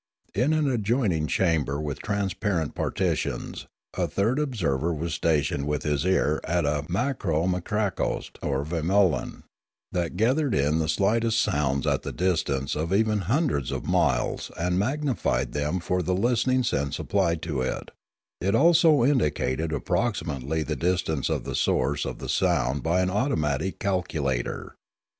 In an adjoining chamber with transparent partitions a third observer was stationed with his ear at a makro mikrakoust or vamolan, that gathered in the slightest sounds at the distance of even hundreds of miles and magnified them for the listening sense applied to it; it also indicated approximately the distance of the source of the sound by an automatic calculator.